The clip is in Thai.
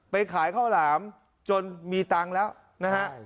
ขายข้าวหลามจนมีตังค์แล้วนะฮะ